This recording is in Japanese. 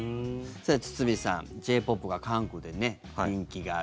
堤さん、Ｊ−ＰＯＰが韓国で人気がある。